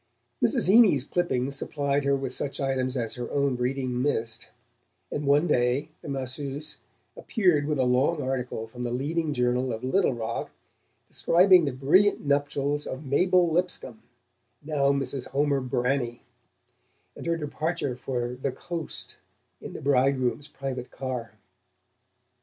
Mrs. Heeny's clippings supplied her with such items as her own reading missed; and one day the masseuse appeared with a long article from the leading journal of Little Rock, describing the brilliant nuptials of Mabel Lipscomb now Mrs. Homer Branney and her departure for "the Coast" in the bridegroom's private car.